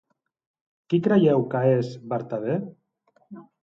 Qui creu que és vertader?